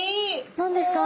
何ですか？